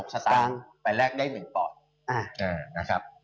สตางค์ไปแลกได้๑ปอดนะครับ